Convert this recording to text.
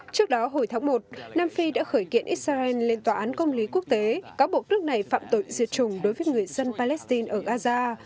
trước đó hồi tháng một nam phi đã khởi kiện israel lên tòa án công lý quốc tế cáo buộc nước này phạm tội diệt chủng đối với người dân palestine ở gaza